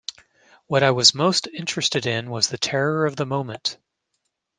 What I was most interested in was the terror of the moment...